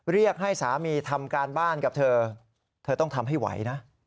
เรียกให้สามีทำการบ้านกับเธอเธอต้องทำให้ไหวนะ